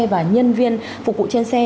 và nhân viên phục vụ trên xe